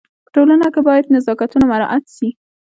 په ټولنه کي باید نزاکتونه مراعت سي.